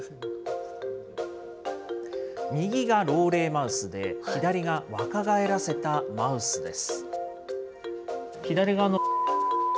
右が老齢マウスで、左が若返らせたマウスです。